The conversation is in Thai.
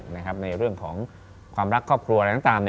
ในเรื่องของความรักครอบครัวอะไรต่าง